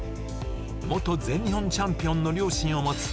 元全日本チャンピオンの両親を持つ